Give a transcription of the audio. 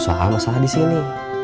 soal masalah di sini